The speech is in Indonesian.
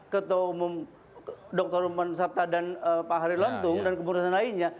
ketua umum dokter usman sabta dan pak harir lontong dan kepengurusan lainnya